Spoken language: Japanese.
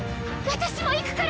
私も行くから！